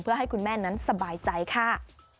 เพื่อให้คุณแม่นั้นสบายใจค่ะ